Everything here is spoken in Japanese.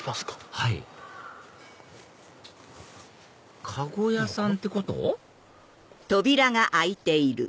はい籠屋さんってこと？